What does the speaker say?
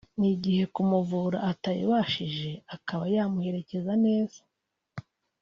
n’igihe kumuvura atabibashije akaba yamuherekeza neza